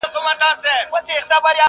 یوه ورځ په دې جرګه کي آوازه سوه!!